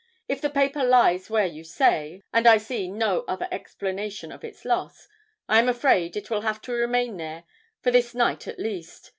If the paper lies where you say, and I see no other explanation of its loss, I am afraid it will have to remain there for this night at least.